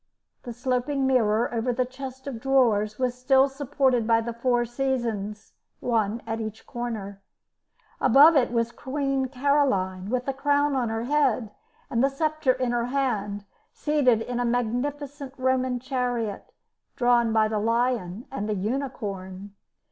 The sloping mirror over the chest of drawers was still supported by the four seasons, one at each corner. Above it was Queen Caroline, with the crown on her head, and the sceptre in her hand, seated in a magnificent Roman chariot, drawn by the lion and the unicorn.